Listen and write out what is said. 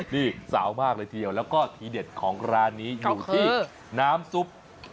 นี่สาวมากเลยทีเดียวแล้วก็ทีเด็ดของร้านนี้อยู่ที่น้ำซุป